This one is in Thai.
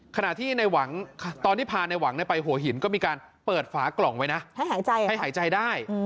ขณะที่ในหวังตอนที่พาในหวังไปหัวหินก็มีการเปิดฝากล่องไว้นะให้หายใจได้